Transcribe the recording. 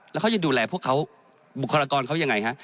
แล้วเขาจะดูแลพวกเขาบุคลากรเขายังไงฮะ